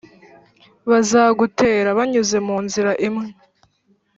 bazagutera banyuze mu nzira imwe,